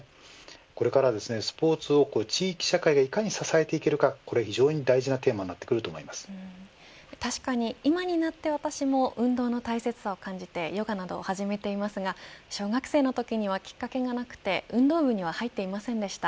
これからはスポーツを地域社会がいかに支えていけるかが確かに今になって私も運動の大切さを感じてヨガなどを始めていますが小学生のときにはきっかけがなくて運動部には入っていませんでした。